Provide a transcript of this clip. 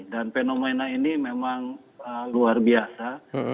dan fenomena ini memang luar biasa